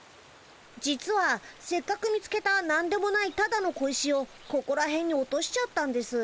実はせっかく見つけたなんでもないただの小石をここらへんに落としちゃったんです。